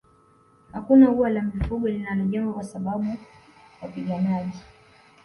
Hakuna ua la mifugo linalojengwa kwa sababu wapiganaji